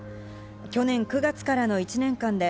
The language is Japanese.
去年９月からの１年間で